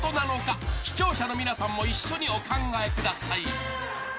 ［視聴者の皆さんも一緒にお考えください］